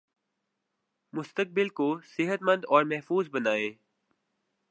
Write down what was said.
مستقبل کو صحت مند اور محفوظ بنائیں